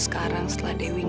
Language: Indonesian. wah makasih ya alisa